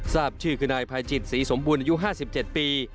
ทราบชื่อคือนายภายจิตศรีสมบูรณ์อายุ๕๗ปี